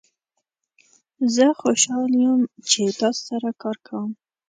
زه خوشحال یم چې تاسو سره کار کوم.